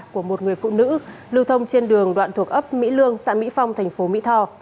của một người phụ nữ lưu thông trên đường đoạn thuộc ấp mỹ lương xã mỹ phong thành phố mỹ tho